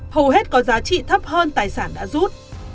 hầu hết có giá trị thấp hơn tài sản đã rút